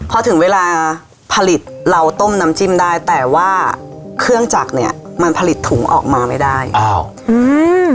พอถึงเวลาผลิตเราต้มน้ำจิ้มได้แต่ว่าเครื่องจักรเนี้ยมันผลิตถุงออกมาไม่ได้อ้าวอืม